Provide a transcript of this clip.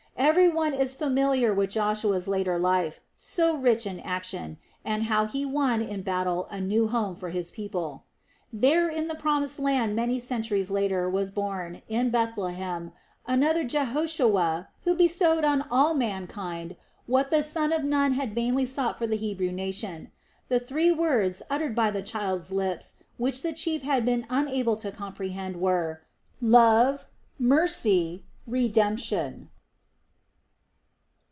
Everyone is familiar with Joshua's later life, so rich in action, and how he won in battle a new home for his people. There in the Promised Land many centuries later was born, in Bethlehem, another Jehoshua who bestowed on all mankind what the son of Nun had vainly sought for the Hebrew nation. The three words uttered by the child's lips which the chief had been unable to comprehend were: "Love, Mercy, Redemption!"